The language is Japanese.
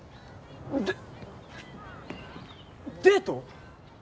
デデート！？